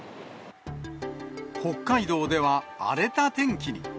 北海道では荒れた天気に。